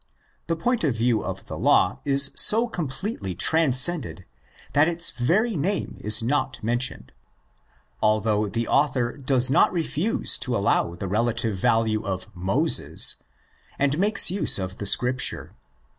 The point of view of the law is so completely transcended that its very name is not mentioned; although the author does not refuse to allow the relative value of '' Moses,'"' and makes use of the Scripture.